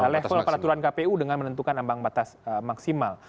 level peraturan kpu dengan menentukan ambang batas maksimal